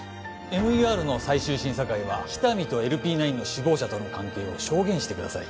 ＭＥＲの最終審査会は喜多見とＬＰ９の首謀者との関係を証言してください